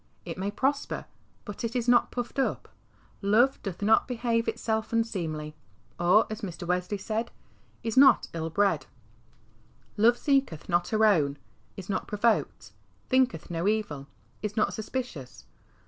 It may prosper, but it " is not puffed up." " Love doth not behave itself unseemly," or, as Mr. Wesley said, " is not ill bred." 30 HEART TALKS ON HOLINESS. Love " seeketh not her own, is not provoked, thinketh no evil," is not suspicious.